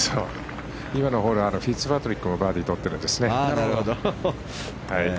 今のはフィッツパトリックもバーディーとってるんですね。